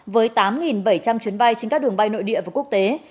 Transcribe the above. với tám bảy trăm linh chuyến bay trên các đường bay nội địa và quốc tế